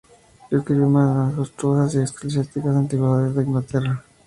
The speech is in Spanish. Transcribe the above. Escribió "Majestuosas y Eclesiásticas Antigüedades de Inglaterra.